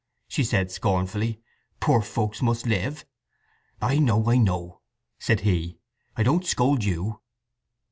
she said scornfully. "Poor folks must live." "I know, I know," said he. "I don't scold you."